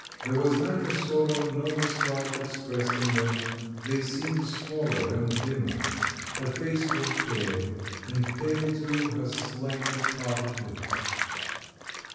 There was neither sorrow or disquiet expressed in them; they seemed smaller and dimmer. Her face was pale; and pale too her slightly parted lips.